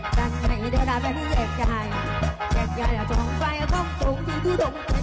จัดให้เดินอาจารย์ที่แยกกายแยกกายจะจงไปของผมที่ทุกข์จริงรัก